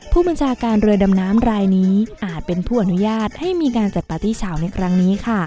ผู้บัญชาการเรือดำน้ำรายนี้อาจเป็นผู้อนุญาตให้มีการจัดปาร์ตี้เฉาในครั้งนี้ค่ะ